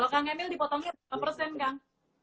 kang emil dipotongnya berapa persen kang